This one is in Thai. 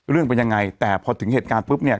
เรื่องเป็นยังไงแต่พอถึงเหตุการณ์ปุ๊บเนี่ย